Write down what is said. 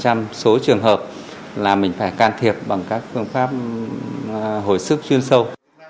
trường hợp là mình phải can thiệp bằng các phương pháp hồi sức chuyên sâu